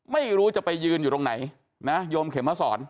ไม่รู้จะไปยืนอยู่ตรงไหนนะโยมเข็มมาสอน